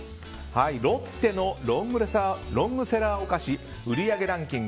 ロッテのロングセラーお菓子売上ランキング